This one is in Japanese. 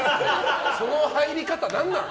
その入り方、何なん！